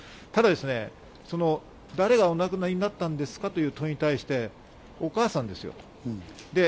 ただですね、誰がお亡くなりになったんですか？という問いに対して、お母さんですよ。